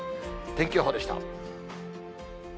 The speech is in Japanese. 天気予報でした。